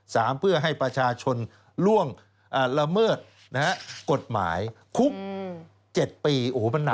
เพื่อให้ประชาชนล่วงละเมิดนะฮะกฎหมายคุกเจ็ดปีโอ้โหมันหนัก